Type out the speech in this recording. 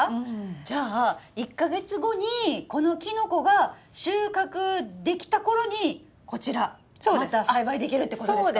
じゃあ１か月後にこのキノコが収穫できた頃にこちらまた栽培できるってことですか？